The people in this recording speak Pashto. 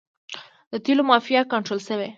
د تیلو مافیا کنټرول شوې؟